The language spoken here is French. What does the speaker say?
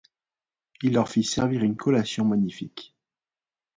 Il leur fit servir une collation magnifique.